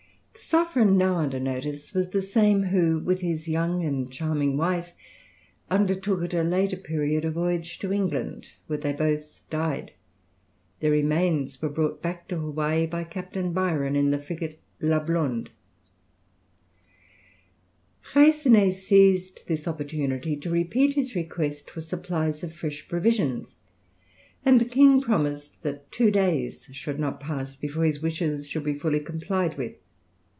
The sovereign now under notice was the same, who, with his young and charming wife, undertook at a later period a voyage to England, where they both died. Their remains were brought back to Hawaï by Captain Byron in the frigate La Blonde. Freycinet seized this opportunity to repeat his request for supplies of fresh provisions, and the king promised that two days should not pass before his wishes should be fully complied with.